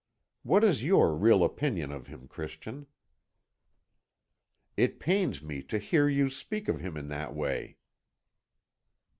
What is your real opinion of him, Christian?" "It pains me to hear you speak of him in that way."